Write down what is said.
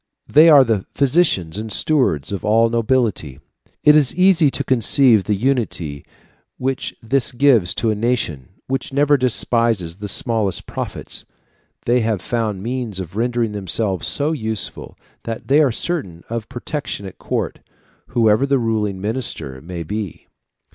They are the physicians and stewards of all the nobility. It is easy to conceive the unity which this gives to a nation which never despises the smallest profits. They have found means of rendering themselves so useful, that they are certain of protection at court, whoever the ruling minister may be.